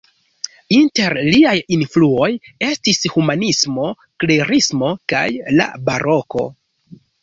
Inter liaj influoj estis humanismo, klerismo kaj la Baroko.